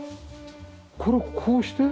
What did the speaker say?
これこうして？